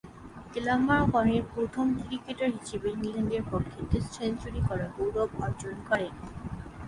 গ্ল্যামারগনের প্রথম ক্রিকেটার হিসেবে ইংল্যান্ডের পক্ষে টেস্ট সেঞ্চুরি করার গৌরব অর্জন করেন।